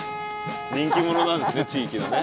人気者なんですね地域のね。